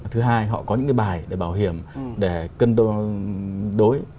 thứ hai họ có những cái bài để bảo hiểm để cân đo đối